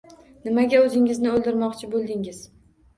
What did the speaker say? Nimaga o`zingizni o`ldirmoqchi bo`ldingiz